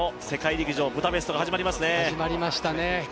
陸上ブダペストが始まりますね。